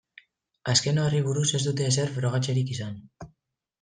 Azken horri buruz ez dute ezer frogatzerik izan.